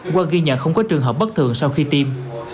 qua ghi nhận không có trường hợp bất thường sau khi tiêm